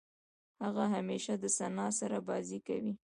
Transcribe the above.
هغه همېشه د ثنا سره بازۍ کوي.